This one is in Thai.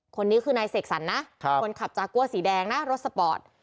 คนนี้คือนายเสกสรรนะคนขับจากัวสีแดงนะรถสปอร์ต